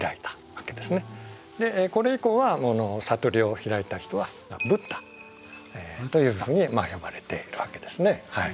これ以降は悟りを開いた人はブッダというふうに呼ばれているわけですね。